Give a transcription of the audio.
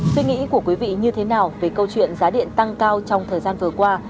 suy nghĩ của quý vị như thế nào về câu chuyện giá điện tăng cao trong thời gian vừa qua